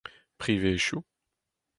privezioù